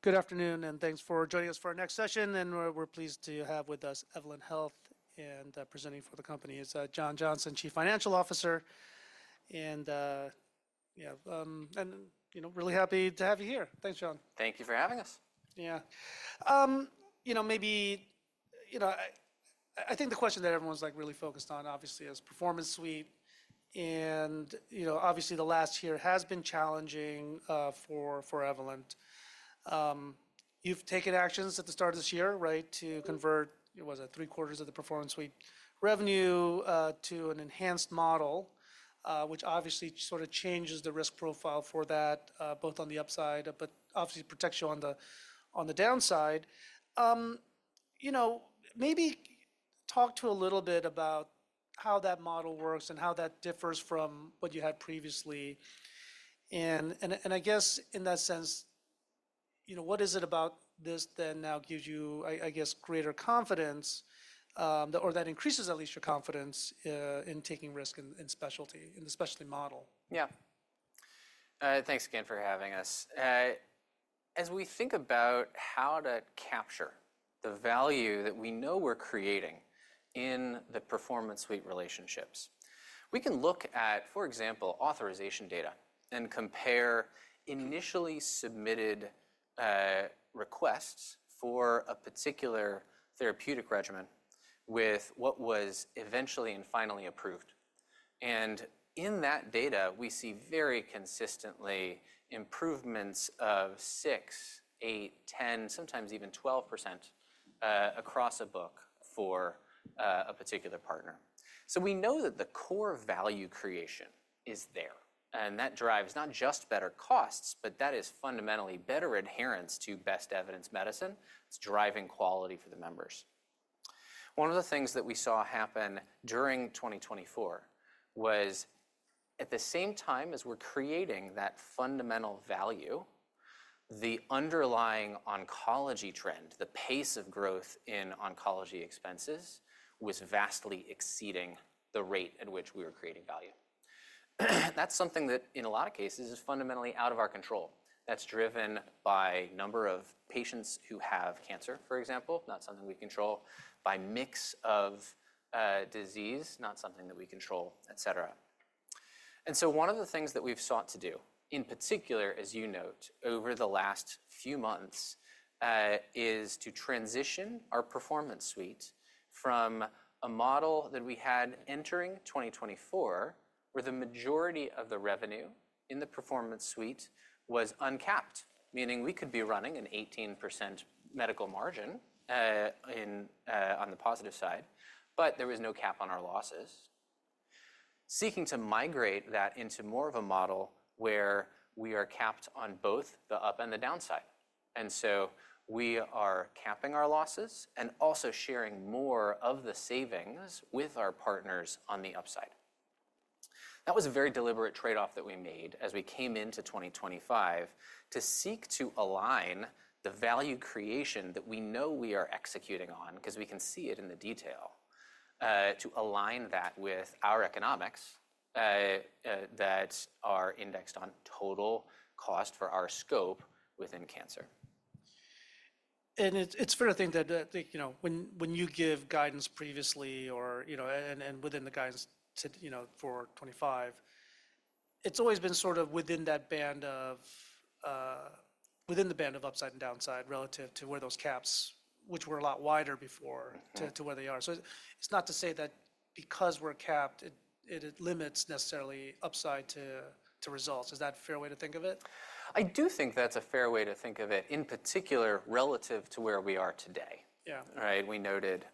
Good afternoon, and thanks for joining us for our next session. We're pleased to have with us Evolent Health, and presenting for the company is John Johnson, Chief Financial Officer. Yeah, you know, really happy to have you here. Thanks, John. Thank you for having us. Yeah. You know, maybe, you know, I think the question that everyone's like really focused on, obviously, is Performance Suite. And, you know, obviously, the last year has been challenging for Evolent. You've taken actions at the start of this year, right, to convert, what was it, three quarters of the Performance Suite revenue to an enhanced model, which obviously sort of changes the risk profile for that, both on the upside, but obviously protects you on the downside. You know, maybe talk to a little bit about how that model works and how that differs from what you had previously. I guess in that sense, you know, what is it about this that now gives you, I guess, greater confidence, or that increases at least your confidence in taking risk in specialty, and especially model? Yeah. Thanks again for having us. As we think about how to capture the value that we know we're creating in the Performance Suite relationships, we can look at, for example, authorization data and compare initially submitted requests for a particular therapeutic regimen with what was eventually and finally approved. In that data, we see very consistently improvements of 6%, 8%, 10%, sometimes even 12% across a book for a particular partner. We know that the core value creation is there. That drives not just better costs, but that is fundamentally better adherence to best evidence medicine. It's driving quality for the members. One of the things that we saw happen during 2024 was, at the same time as we're creating that fundamental value, the underlying oncology trend, the pace of growth in oncology expenses was vastly exceeding the rate at which we were creating value. That's something that, in a lot of cases, is fundamentally out of our control. That's driven by a number of patients who have cancer, for example, not something we control, by a mix of disease, not something that we control, etcetera. One of the things that we've sought to do, in particular, as you note, over the last few months, is to transition our Performance Suite from a model that we had entering 2024, where the majority of the revenue in the Performance Suite was uncapped, meaning we could be running an 18% medical margin on the positive side, but there was no cap on our losses, seeking to migrate that into more of a model where we are capped on both the up and the downside. We are capping our losses and also sharing more of the savings with our partners on the upside. That was a very deliberate trade-off that we made as we came into 2025 to seek to align the value creation that we know we are executing on because we can see it in the detail, to align that with our economics that are indexed on total cost for our scope within cancer. It is fair to think that, you know, when you give guidance previously or, you know, and within the guidance for 2025, it has always been sort of within that band of, within the band of upside and downside relative to where those caps, which were a lot wider before, to where they are. It is not to say that because we are capped, it limits necessarily upside to results. Is that a fair way to think of it? I do think that's a fair way to think of it, in particular relative to where we are today. Yeah. All right. We noted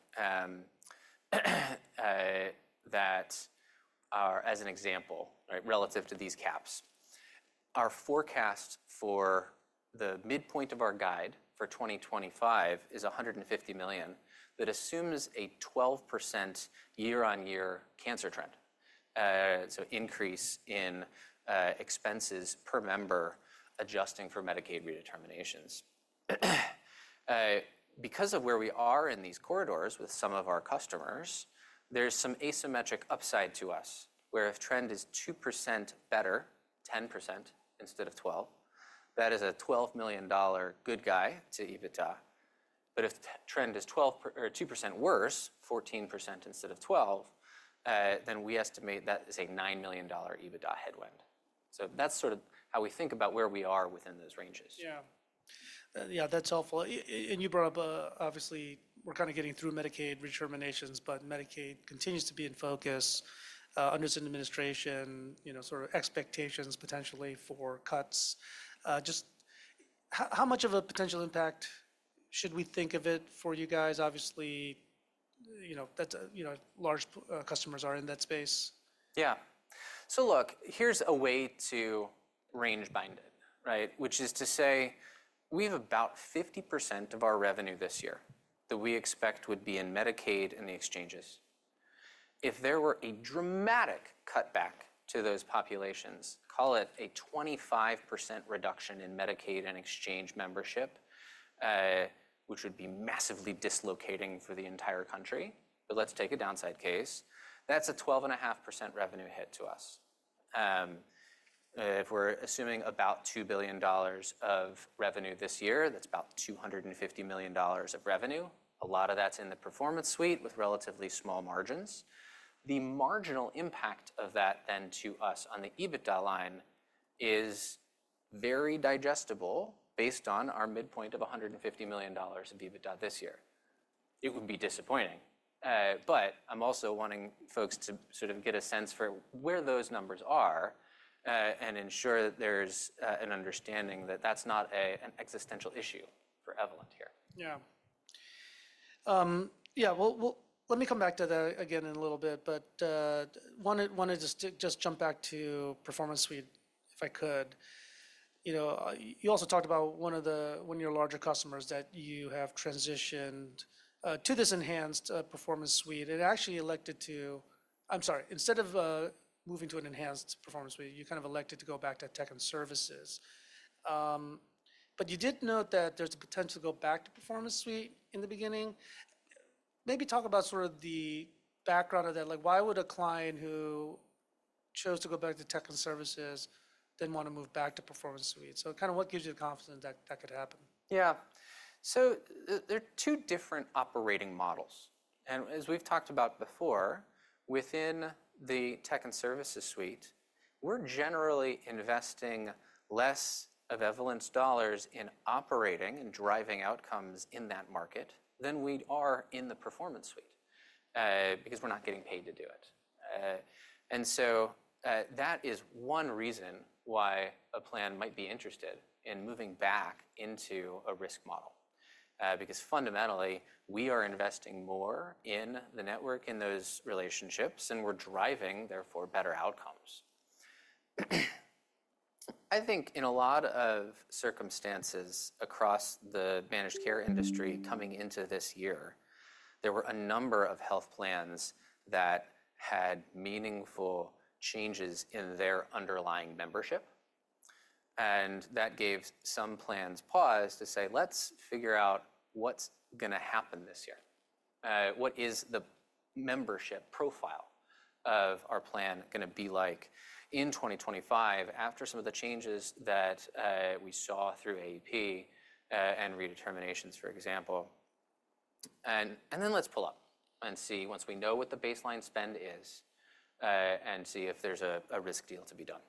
that, as an example, relative to these caps, our forecast for the midpoint of our guide for 2025 is $150 million. That assumes a 12% year-on-year cancer trend, so increase in expenses per member adjusting for Medicaid redeterminations. Because of where we are in these corridors with some of our customers, there's some asymmetric upside to us, where if trend is 2% better, 10% instead of 12%, that is a $12 million good guy to EBITDA. If trend is 2% worse, 14% instead of 12%, then we estimate that is a $9 million EBITDA headwind. That is sort of how we think about where we are within those ranges. Yeah. Yeah, that's helpful. You brought up, obviously, we're kind of getting through Medicaid redeterminations, but Medicaid continues to be in focus under this administration, you know, sort of expectations potentially for cuts. Just how much of a potential impact should we think of it for you guys? Obviously, you know, large customers are in that space. Yeah. Look, here's a way to range bind it, right, which is to say we have about 50% of our revenue this year that we expect would be in Medicaid and the exchanges. If there were a dramatic cutback to those populations, call it a 25% reduction in Medicaid and exchange membership, which would be massively dislocating for the entire country, but let's take a downside case, that's a 12.5% revenue hit to us. If we're assuming about $2 billion of revenue this year, that's about $250 million of revenue. A lot of that's in the Performance Suite with relatively small margins. The marginal impact of that then to us on the EBITDA line is very digestible based on our midpoint of $150 million of EBITDA this year. It would be disappointing. I am also wanting folks to sort of get a sense for where those numbers are and ensure that there's an understanding that that's not an existential issue for Evolent Health. Yeah. Yeah, let me come back to that again in a little bit, but wanted to just jump back to Performance Suite if I could. You know, you also talked about one of the, one of your larger customers that you have transitioned to this enhanced Performance Suite. And it actually elected to, I'm sorry, instead of moving to an enhanced Performance Suite, you kind of elected to go back to Tech and Services. You did note that there's a potential to go back to Performance Suite in the beginning. Maybe talk about sort of the background of that. Like, why would a client who chose to go back to Tech and Services then want to move back to Performance Suite? Kind of what gives you the confidence that that could happen? Yeah. There are two different operating models. As we've talked about before, within the Tech and Services Suite, we're generally investing less of Evolent's dollars in operating and driving outcomes in that market than we are in the Performance Suite because we're not getting paid to do it. That is one reason why a plan might be interested in moving back into a risk model, because fundamentally we are investing more in the network, in those relationships, and we're driving, therefore, better outcomes. I think in a lot of circumstances across the managed care industry coming into this year, there were a number of health plans that had meaningful changes in their underlying membership. That gave some plans pause to say, let's figure out what's going to happen this year. What is the membership profile of our plan going to be like in 2025 after some of the changes that we saw through AEP and redeterminations, for example? Let's pull up and see once we know what the baseline spend is and see if there's a risk deal to be done.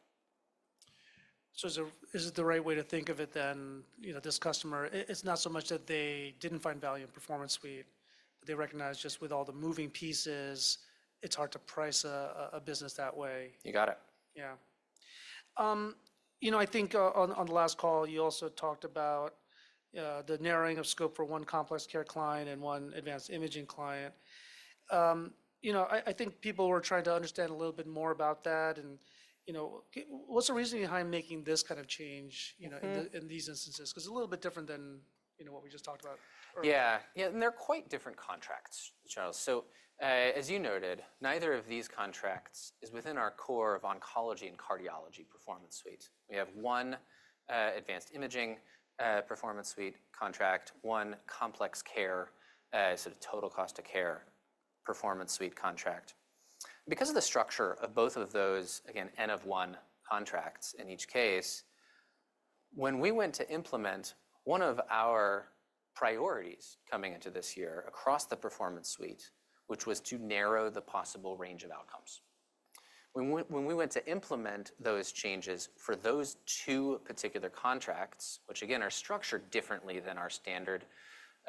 Is it the right way to think of it then, you know, this customer, it's not so much that they didn't find value in Performance Suite, they recognize just with all the moving pieces, it's hard to price a business that way. You got it. Yeah. You know, I think on the last call, you also talked about the narrowing of scope for one complex care client and one advanced imaging client. You know, I think people were trying to understand a little bit more about that. You know, what's the reason behind making this kind of change, you know, in these instances? Because it's a little bit different than, you know, what we just talked about earlier. Yeah. Yeah. They are quite different contracts, John. As you noted, neither of these contracts is within our core of oncology and cardiology Performance Suite. We have one advanced imaging Performance Suite contract, one complex care sort of total cost of care Performance Suite contract. Because of the structure of both of those, again, N-of-1 contracts in each case, when we went to implement one of our priorities coming into this year across the Performance Suite, which was to narrow the possible range of outcomes. When we went to implement those changes for those two particular contracts, which again are structured differently than our standard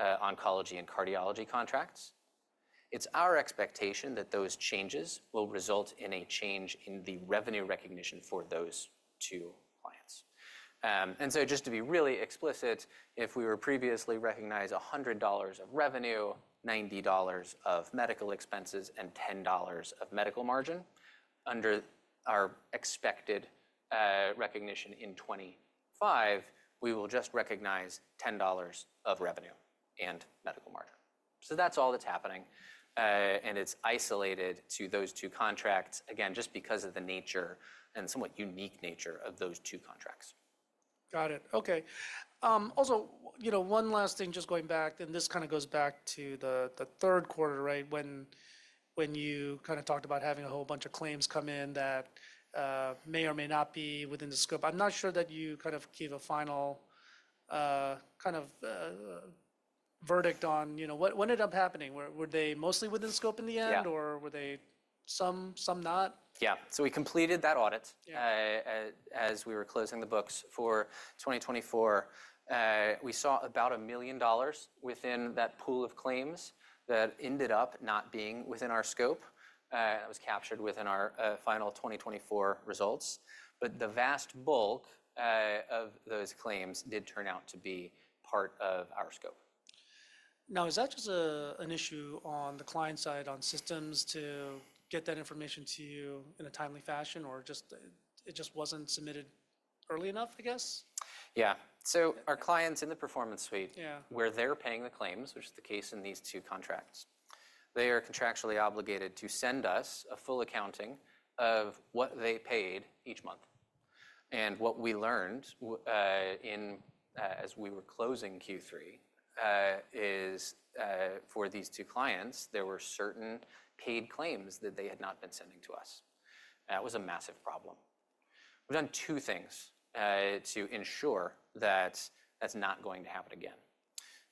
oncology and cardiology contracts.It is our expectation that those changes will result in a change in the revenue recognition for those two clients. To be really explicit, if we were previously recognized $100 of revenue, $90 of medical expenses, and $10 of medical margin under our expected recognition in 2025, we will just recognize $10 of revenue and medical margin. That is all that is happening. It is isolated to those two contracts, again, just because of the nature and somewhat unique nature of those two contracts. Got it. Okay. Also, you know, one last thing, just going back, and this kind of goes back to the third quarter, right, when you kind of talked about having a whole bunch of claims come in that may or may not be within the scope. I'm not sure that you kind of gave a final kind of verdict on, you know, what ended up happening. Were they mostly within scope in the end, or were they some, some not? Yeah. We completed that audit as we were closing the books for 2024. We saw about $1 million within that pool of claims that ended up not being within our scope. That was captured within our final 2024 results. The vast bulk of those claims did turn out to be part of our scope. Now, is that just an issue on the client side on systems to get that information to you in a timely fashion, or just it just wasn't submitted early enough, I guess? Yeah. Our clients in the Performance Suite, where they're paying the claims, which is the case in these two contracts, are contractually obligated to send us a full accounting of what they paid each month. What we learned as we were closing Q3 is for these two clients, there were certain paid claims that they had not been sending to us. That was a massive problem. We've done two things to ensure that that's not going to happen again.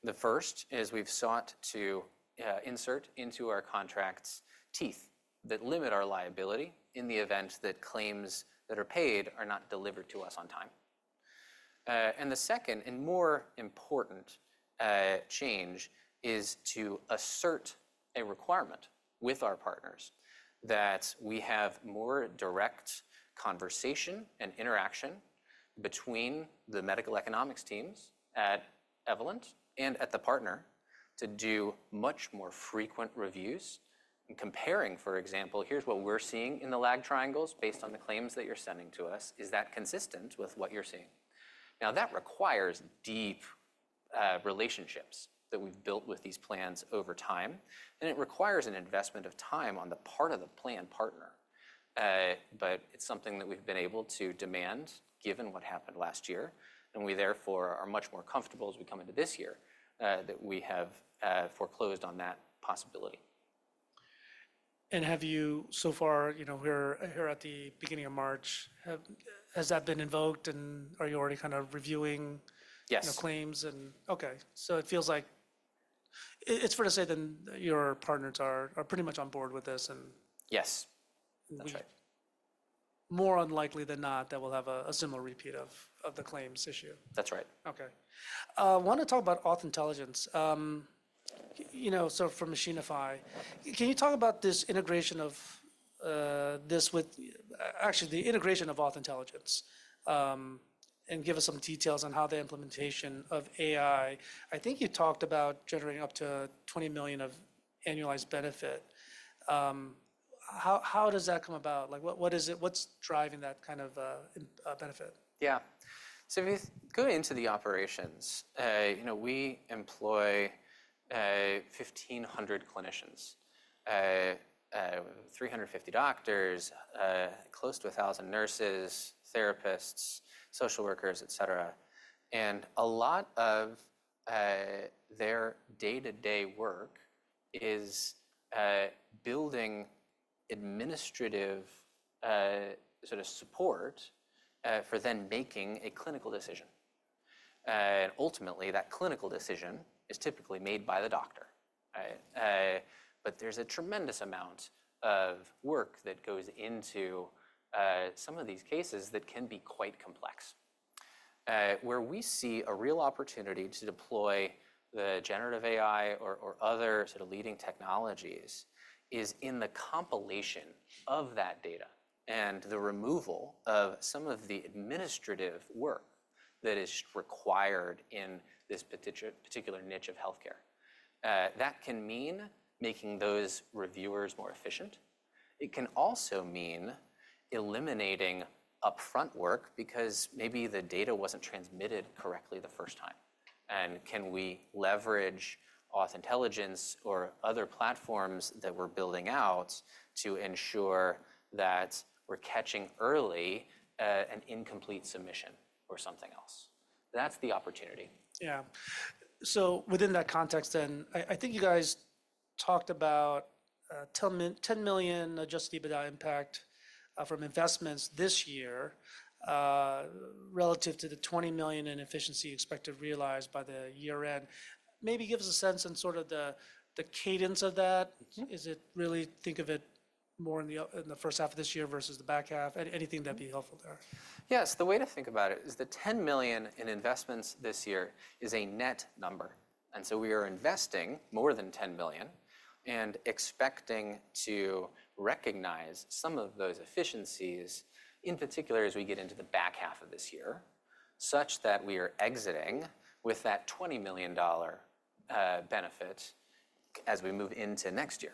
The first is we've sought to insert into our contracts teeth that limit our liability in the event that claims that are paid are not delivered to us on time. The second and more important change is to assert a requirement with our partners that we have more direct conversation and interaction between the medical economics teams at Evolent and at the partner to do much more frequent reviews and comparing, for example, here's what we're seeing in the lag triangles based on the claims that you're sending to us. Is that consistent with what you're seeing? That requires deep relationships that we've built with these plans over time. It requires an investment of time on the part of the plan partner. It's something that we've been able to demand given what happened last year. We therefore are much more comfortable as we come into this year that we have foreclosed on that possibility. Have you so far, you know, here at the beginning of March, has that been invoked and are you already kind of reviewing Yeah. claims? Okay. It feels like it's fair to say then your partners are pretty much on board with this. Yes. That's right. More unlikely than not that we'll have a similar repeat of the claims issue. That's right. Okay. I want to talk about Auth Intelligence. You know, so for Machinify, can you talk about this integration of this with actually the integration of Auth Intelligence and give us some details on how the implementation of AI? I think you talked about generating up to $20 million of annualized benefit. How does that come about? Like, what is it? What's driving that kind of benefit? Yeah. If you go into the operations, you know, we employ 1,500 clinicians, 350 doctors, close to 1,000 nurses, therapists, social workers, etcetera. A lot of their day-to-day work is building administrative sort of support for then making a clinical decision. Ultimately, that clinical decision is typically made by the doctor. There is a tremendous amount of work that goes into some of these cases that can be quite complex. Where we see a real opportunity to deploy the generative AI or other sort of leading technologies is in the compilation of that data and the removal of some of the administrative work that is required in this particular niche of healthcare. That can mean making those reviewers more efficient. It can also mean eliminating upfront work because maybe the data was not transmitted correctly the first time. Can we leverage Auth Intelligence or other platforms that we're building out to ensure that we're catching early an incomplete submission or something else? That's the opportunity. Yeah. Within that context then, I think you guys talked about $10 million adjusted EBITDA impact from investments this year relative to the $20 million in efficiency expected to realize by the year end. Maybe give us a sense on sort of the cadence of that. Is it really think of it more in the first half of this year versus the back half? Anything that'd be helpful there? Yes. The way to think about it is the $10 million in investments this year is a net number. We are investing more than $10 million and expecting to recognize some of those efficiencies in particular as we get into the back half of this year, such that we are exiting with that $20 million benefit as we move into next year.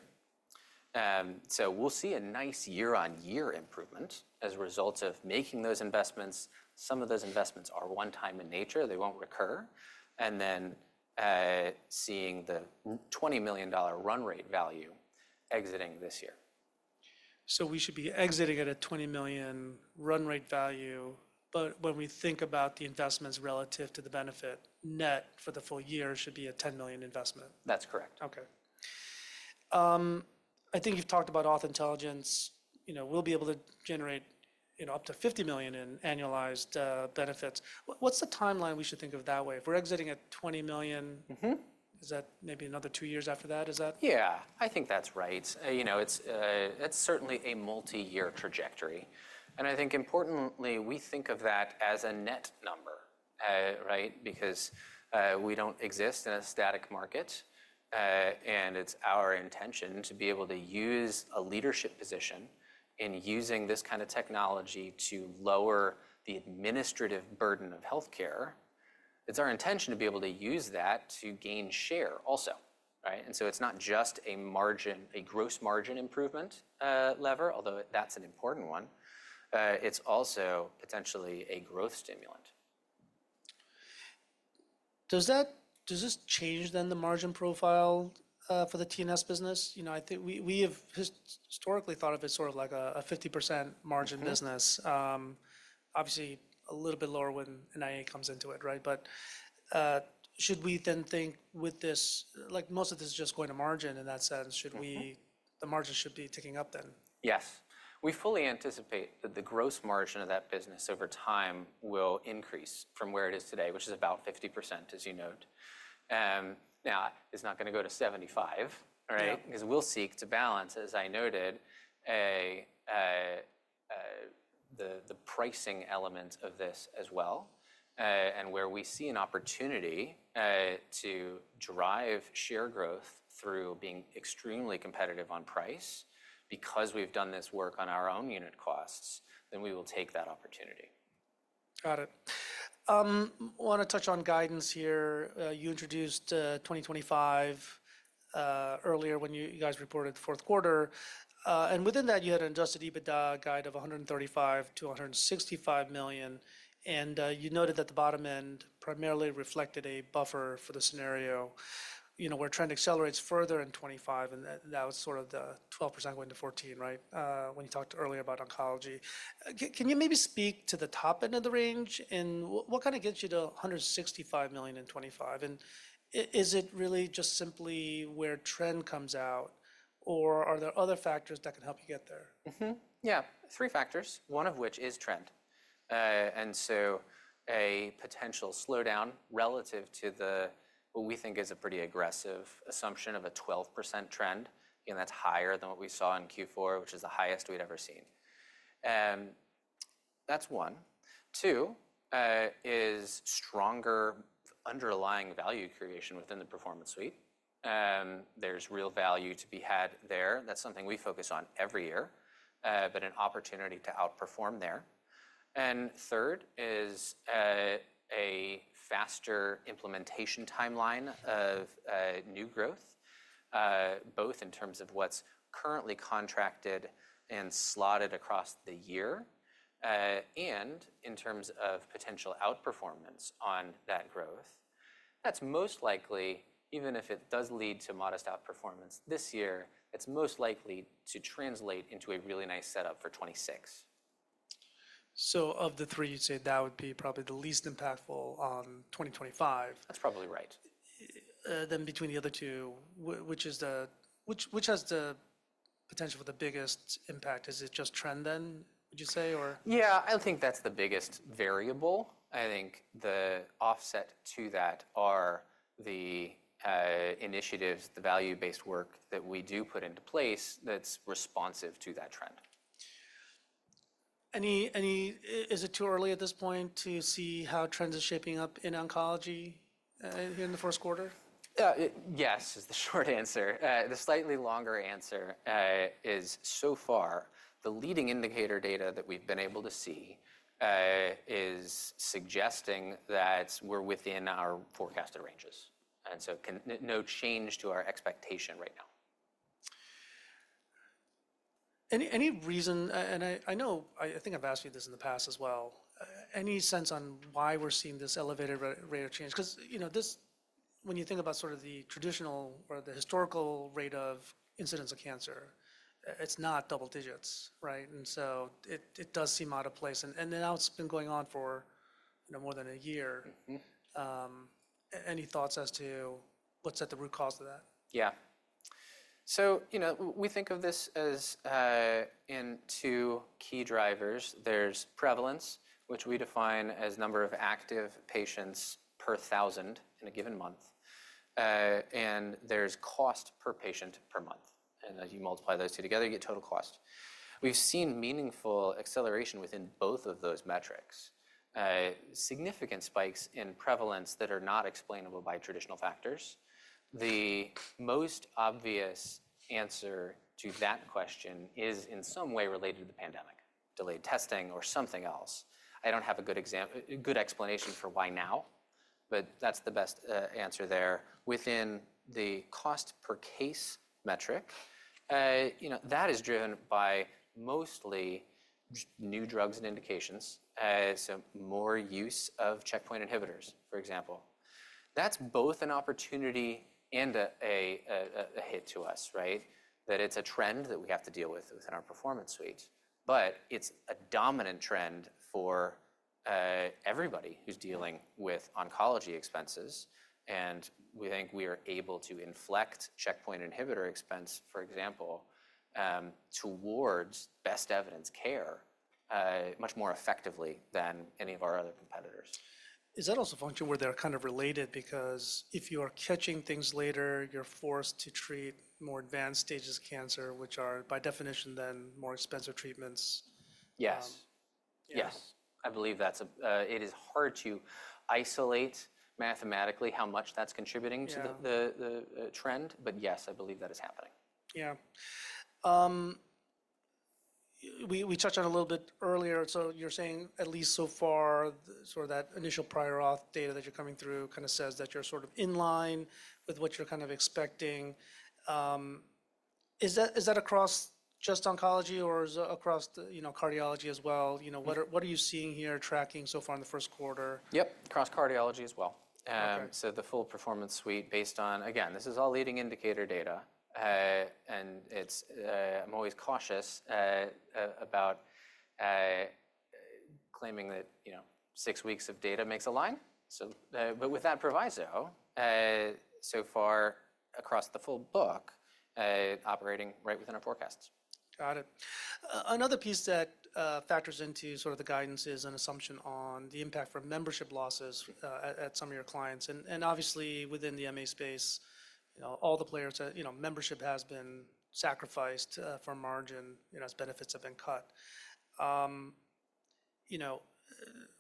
We will see a nice year-on-year improvement as a result of making those investments. Some of those investments are one-time in nature. They will not recur. We are then seeing the $20 million run rate value exiting this year. We should be exiting at a $20 million run rate value, but when we think about the investments relative to the benefit net for the full year, it should be a $10 million investment. That's correct. Okay. I think you've talked about Auth Intelligence. You know, we'll be able to generate, you know, up to $50 million in annualized benefits. What's the timeline we should think of that way? If we're exiting at $20 million, is that maybe another two years after that? Is that? Yeah. I think that's right. You know, it's certainly a multi-year trajectory. I think importantly, we think of that as a net number, right? Because we don't exist in a static market. It's our intention to be able to use a leadership position in using this kind of technology to lower the administrative burden of healthcare. It's our intention to be able to use that to gain share also, right? It's not just a margin, a gross margin improvement lever, although that's an important one. It's also potentially a growth stimulant. Does this change then the margin profile for the T&S business? You know, I think we have historically thought of it sort of like a 50% margin business. Obviously, a little bit lower when NIA comes into it, right? But should we then think with this, like most of this is just going to margin in that sense, should we, the margin should be ticking up then? Yes. We fully anticipate that the gross margin of that business over time will increase from where it is today, which is about 50%, as you note. It is not going to go to 75%, right? We will seek to balance, as I noted, the pricing element of this as well. Where we see an opportunity to drive share growth through being extremely competitive on price, because we have done this work on our own unit costs, we will take that opportunity. Got it. I want to touch on guidance here. You introduced 2025 earlier when you guys reported the fourth quarter. Within that, you had an adjusted EBITDA guide of $135 million-$165 million. You noted that the bottom end primarily reflected a buffer for the scenario, you know, where trend accelerates further in 2025. That was sort of the 12% going to 14%, right? When you talked earlier about oncology. Can you maybe speak to the top end of the range and what kind of gets you to $165 million in 2025? Is it really just simply where trend comes out, or are there other factors that can help you get there? Yeah. Three factors, one of which is trend. A potential slowdown relative to what we think is a pretty aggressive assumption of a 12% trend. That's higher than what we saw in Q4, which is the highest we'd ever seen. That's one. Two is stronger underlying value creation within the Performance Suite. There's real value to be had there. That's something we focus on every year, but an opportunity to outperform there. Third is a faster implementation timeline of new growth, both in terms of what's currently contracted and slotted across the year, and in terms of potential outperformance on that growth. That's most likely, even if it does lead to modest outperformance this year, it's most likely to translate into a really nice setup for 2026. Of the three, you'd say that would be probably the least impactful on 2025. That's probably right. Between the other two, which has the potential for the biggest impact? Is it just trend then, would you say, or? Yeah, I think that's the biggest variable. I think the offset to that are the initiatives, the value-based work that we do put into place that's responsive to that trend. Is it too early at this point to see how trend is shaping up in oncology here in the first quarter? Yes, is the short answer. The slightly longer answer is so far, the leading indicator data that we've been able to see is suggesting that we're within our forecasted ranges. No change to our expectation right now. Any reason, and I know, I think I've asked you this in the past as well, any sense on why we're seeing this elevated rate of change? Because, you know, when you think about sort of the traditional or the historical rate of incidence of cancer, it's not double digits, right? It does seem out of place. Now it's been going on for more than a year. Any thoughts as to what's at the root cause of that? Yeah. You know, we think of this as in two key drivers. There's prevalence, which we define as number of active patients per thousand in a given month. And there's cost per patient per month. As you multiply those two together, you get total cost. We've seen meaningful acceleration within both of those metrics, significant spikes in prevalence that are not explainable by traditional factors. The most obvious answer to that question is in some way related to the pandemic, delayed testing or something else. I don't have a good explanation for why now, but that's the best answer there. Within the cost per case metric, you know, that is driven by mostly new drugs and indications. More use of checkpoint inhibitors, for example. That's both an opportunity and a hit to us, right? That it's a trend that we have to deal with within our Performance Suite. It is a dominant trend for everybody who's dealing with oncology expenses. We think we are able to inflect checkpoint inhibitor expense, for example, towards best evidence care much more effectively than any of our other competitors. Is that also a function where they're kind of related because if you are catching things later, you're forced to treat more advanced stages of cancer, which are by definition then more expensive treatments? Yes. Yes. I believe that's a, it is hard to isolate mathematically how much that's contributing to the trend, but yes, I believe that is happening. Yeah. We touched on it a little bit earlier. You're saying at least so far, sort of that initial prior auth data that you're coming through kind of says that you're sort of in line with what you're kind of expecting. Is that across just oncology or is it across, you know, cardiology as well? You know, what are you seeing here tracking so far in the first quarter? Yep, across cardiology as well. The full Performance Suite based on, again, this is all leading indicator data. I am always cautious about claiming that, you know, six weeks of data makes a line. With that proviso, so far across the full book, operating right within our forecasts. Got it. Another piece that factors into sort of the guidance is an assumption on the impact for membership losses at some of your clients. And obviously within the MA space, you know, all the players that, you know, membership has been sacrificed from margin, you know, as benefits have been cut. You know,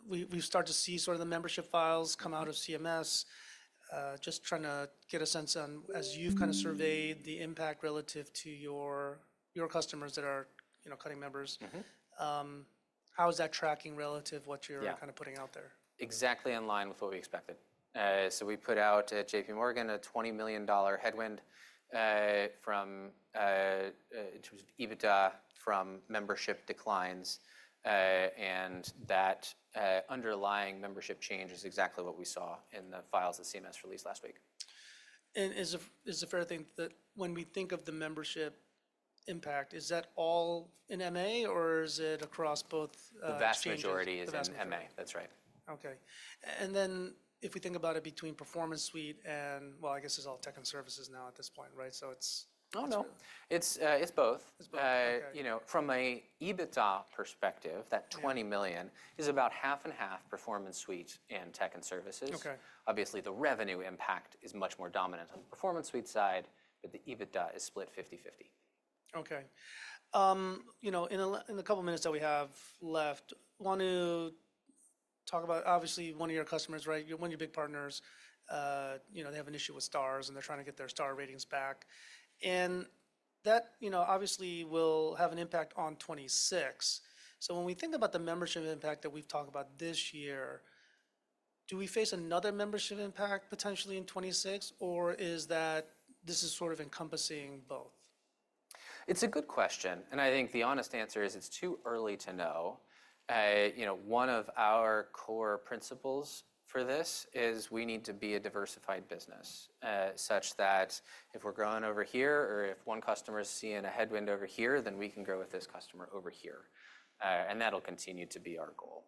we start to see sort of the membership files come out of CMS, just trying to get a sense on, as you've kind of surveyed the impact relative to your customers that are, you know, cutting members, how is that tracking relative to what you're kind of putting out there? Exactly in line with what we expected. We put out at JPMorgan a $20 million headwind in terms of EBITDA from membership declines. That underlying membership change is exactly what we saw in the files that CMS released last week. Is it fair to think that when we think of the membership impact, is that all in MA or is it across both? The vast is in MA. That's right. Okay. And then if we think about it between Performance Suite and, well, I guess it's all Tech and Services now at this point, right? So it's. Oh no, it's both. You know, from an EBITDA perspective, that $20 million is about half and half Performance Suite and Tech and Services. Obviously, the revenue impact is much more dominant on the Performance Suite side, but the EBITDA is split 50-50. Okay. You know, in the couple of minutes that we have left, want to talk about obviously one of your customers, right? One of your big partners, you know, they have an issue with Stars and they're trying to get their Star Ratings back. And that, you know, obviously will have an impact on 2026. So when we think about the membership impact that we've talked about this year, do we face another membership impact potentially in 2026, or is that this is sort of encompassing both? It's a good question. I think the honest answer is it's too early to know. You know, one of our core principles for this is we need to be a diversified business such that if we're growing over here or if one customer is seeing a headwind over here, then we can grow with this customer over here. That'll continue to be our goal.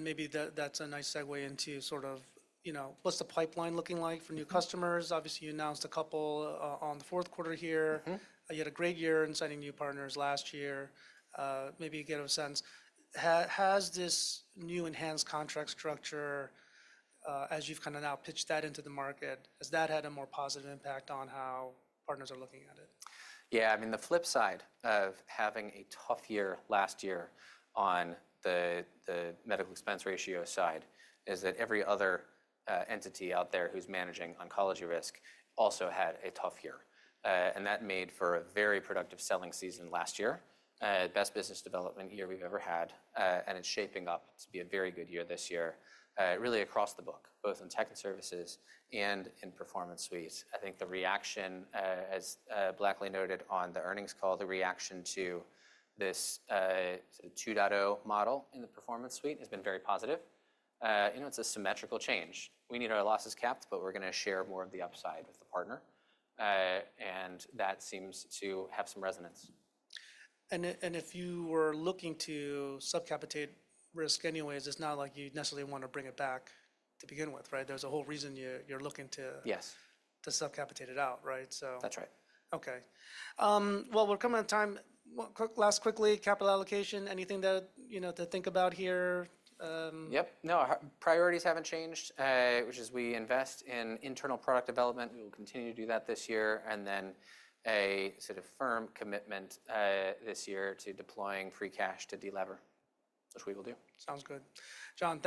Maybe that's a nice segue into sort of, you know, what's the pipeline looking like for new customers? Obviously, you announced a couple on the fourth quarter here. You had a great year in signing new partners last year. Maybe you get a sense. Has this new enhanced contract structure, as you've kind of now pitched that into the market, has that had a more positive impact on how partners are looking at it? Yeah, I mean, the flip side of having a tough year last year on the medical expense ratio side is that every other entity out there who's managing oncology risk also had a tough year. That made for a very productive selling season last year, best business development year we've ever had. It is shaping up to be a very good year this year, really across the book, both in tech and services and in Performance Suite. I think the reaction, as Blackley noted on the earnings call, the reaction to this 2.0 model in the Performance Suite has been very positive. You know, it's a symmetrical change. We need our losses capped, but we're going to share more of the upside with the partner. That seems to have some resonance. If you were looking to subcapitate risk anyways, it's not like you necessarily want to bring it back to begin with, right? There's a whole reason you're looking to subcapitate it out, right? That's right. Okay. Well, we're coming to time. Last, quickly, capital allocation, anything that, you know, to think about here? Yep. No, priorities have not changed, which is we invest in internal product development. We will continue to do that this year. There is a sort of firm commitment this year to deploying free cash to deliver, which we will do. Sounds good. John.